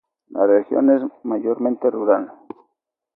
La región es mayormente rural.